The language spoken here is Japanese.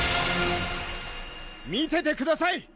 見ててください！